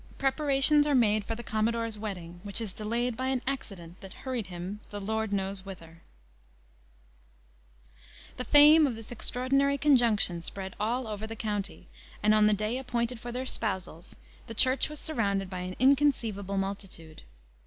Preparations are made for the Commodore's Wedding, which is delayed by an Accident that hurried him the Lord knows whither. The fame of this extraordinary conjunction spread all over the county; and, on the day appointed for their spousals, the church was surrounded by an inconceivable multitude.